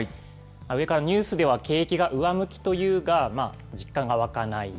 上から、ニュースでは景気が上向きと言うが、実感が湧かない。